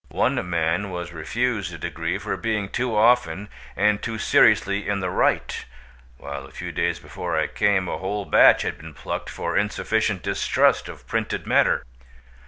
One man was refused a degree for being too often and too seriously in the right, while a few days before I came a whole batch had been plucked for insufficient distrust of printed matter.